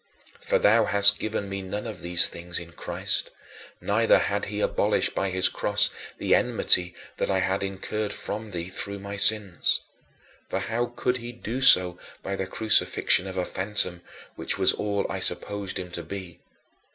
For thou hadst forgiven me none of these things in Christ, neither had he abolished by his cross the enmity that I had incurred from thee through my sins. For how could he do so by the crucifixion of a phantom, which was all I supposed him to be?